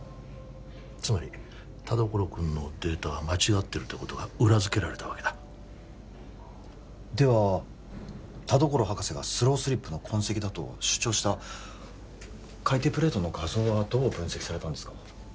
つまり田所君のデータは間違ってるということが裏付けられたわけだでは田所博士がスロースリップの痕跡だと主張した海底プレートの画像はどう分析されたんですか？